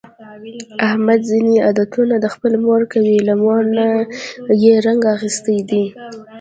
احمد ځني عادتونه د خپلې مور کوي، له مور نه یې رنګ اخیستی دی.